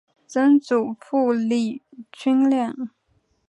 曾祖父李均亮。